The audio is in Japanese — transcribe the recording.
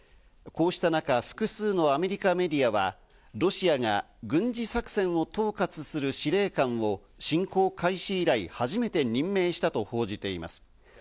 こうした中、複数のアメリカメディアは、ロシアが軍事作戦を統括する司令官を侵攻開始以来、初めて任命したと報じています。